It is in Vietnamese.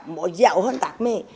mùa dẻo hơn tạc mê